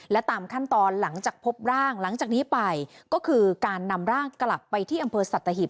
และตามขั้นตอนหลังจากพบร่างหลังจากนี้ไปก็คือการนำร่างกลับไปที่อำเภอสัตหิบ